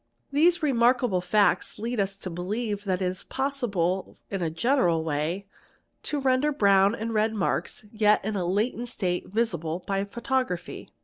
These remarkable facts lead us to believe that it is possible in a general way to render brown and red marks yet in a latent state visible — by photography.